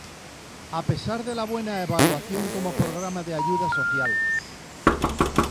A pesar de la buena evaluación como programa de ayuda social.